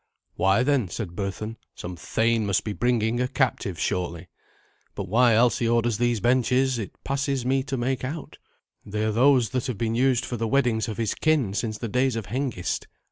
"Why, then," said Berthun, "some thane must be bringing a captive shortly. But why Alsi orders these benches, it passes me to make out. They are those that have been used for the weddings of his kin since the days of Hengist.